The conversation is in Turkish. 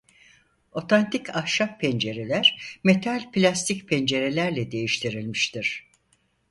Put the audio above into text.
Otantik ahşap pencereler metal-plastik pencerelerle değiştirilmiştir.